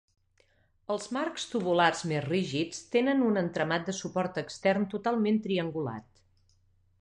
Els marcs tubulars més rígids tenen un entramat de suport extern totalment triangulat.